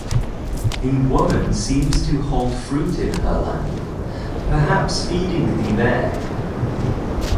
The woman seems to hold fruit in her lap, perhaps feeding the bear.